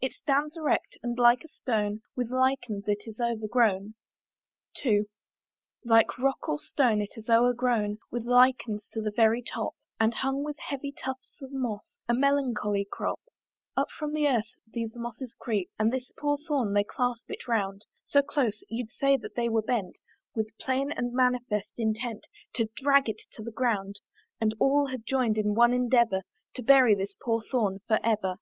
It stands erect, and like a stone With lichens it is overgrown. II. Like rock or stone, it is o'ergrown With lichens to the very top, And hung with heavy tufts of moss, A melancholy crop: Up from the earth these mosses creep, And this poor thorn they clasp it round So close, you'd say that they were bent With plain and manifest intent, To drag it to the ground; And all had joined in one endeavour To bury this poor thorn for ever.